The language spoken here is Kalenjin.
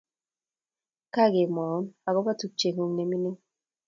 Kakemwaun akobo tupchengung ne mining